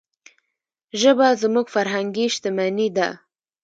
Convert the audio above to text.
ژبه زموږ فرهنګي شتمني ده.